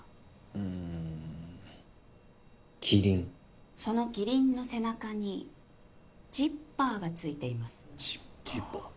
うーんキリンそのキリンの背中にジッパーがついていますジッパー？